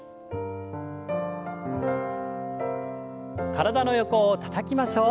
体の横をたたきましょう。